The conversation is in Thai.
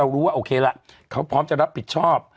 รู้ว่าโอเคละเขาพร้อมจะรับผิดชอบ